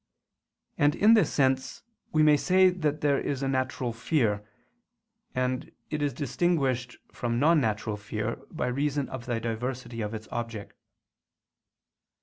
And in this sense we may say that there is a natural fear; and it is distinguished from non natural fear, by reason of the diversity of its object.